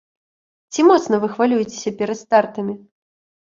Ці моцна вы хвалюецеся перад стартамі?